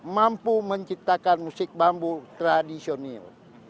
mampu menciptakan musik bambu tradisional